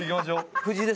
藤井です。